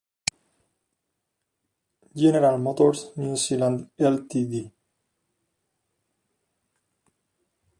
General Motors New Zealand Ltd.